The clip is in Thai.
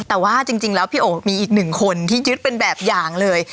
แต่ว่าจริงแล้วพี่โอ๋มีอีกหนึ่งคนที่ยึดเป็นแบบอย่างเลย